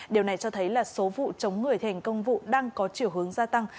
điều này cho thấy là số vụ chống người thành công vụ đang có chiều hướng gia tăng